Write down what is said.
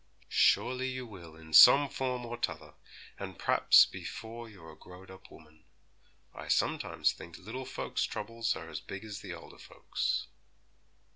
'Surely you will in some form or t'other, and p'raps before you're a growed up woman. I sometimes think little folks' troubles are as big as the older folks.'